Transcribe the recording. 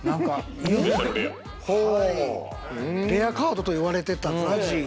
レアカードといわれてたＺＡＺＹ。